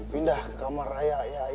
pindah ke kamar raya